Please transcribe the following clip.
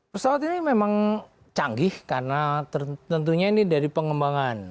pesawat ini memang canggih karena tentunya ini dari pengembangan